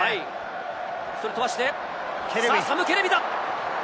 １人飛ばしてサム・ケレビだ。